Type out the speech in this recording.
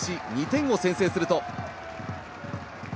２点を先制すると。